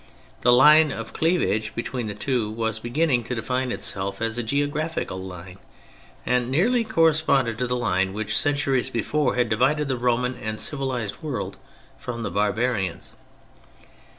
The line of cleavage between the two was be ginning to define itself as a geographical line, and nearly corresponded to the line which, centuries before, had divided the Roman and civilised world from the Barbarians.